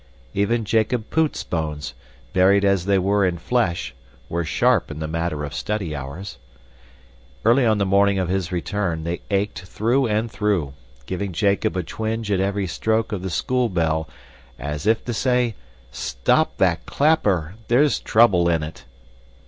Even Jacob Poot's bones, buried as they were in flesh, were sharp in the matter of study hours. Early on the morning of his return they ached through and through, giving Jacob a twinge at every stroke of the school bell, as if to say, "Stop that clapper! There's trouble in it."